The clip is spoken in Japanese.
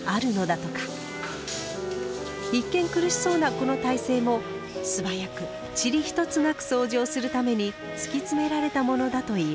一見苦しそうなこの体勢も素早く塵一つなくそうじをするために突き詰められたものだといいます。